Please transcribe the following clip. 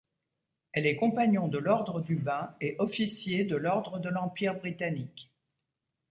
Elle est compagnon de l'Ordre du Bain et officier de l'Ordre de l'Empire britannique.